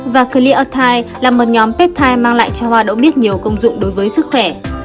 và cleotide là một nhóm peptide mang lại cho hoa đậu biếc nhiều công dụng đối với sức khỏe